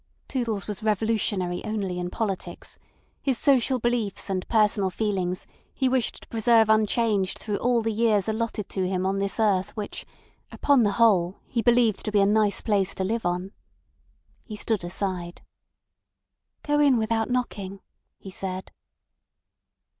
Toodles was revolutionary only in politics; his social beliefs and personal feelings he wished to preserve unchanged through all the years allotted to him on this earth which, upon the whole, he believed to be a nice place to live on. He stood aside. "Go in without knocking," he said.